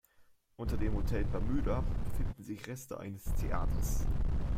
Unter dem Hotel Palmyra befinden sich Reste eines Theaters.